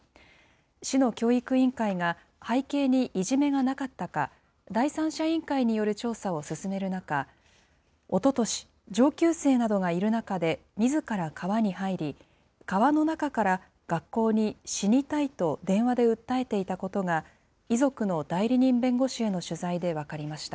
市の教育委員会が、背景にいじめがなかったか、第三者委員会による調査を進める中、おととし、上級生などがいる中で、みずから川に入り、川の中から学校に死にたいと電話で訴えていたことが、遺族の代理人弁護士への取材で分かりました。